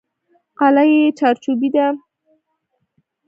قلعه یې چارچوبي ده.